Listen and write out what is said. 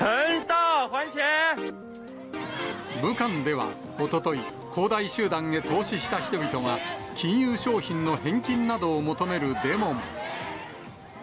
武漢ではおととい、恒大集団へ投資した人々が、金融商品の返金などを求めるデモも。